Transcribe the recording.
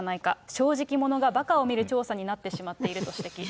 正直者がばかを見る調査になってしまっていると指摘。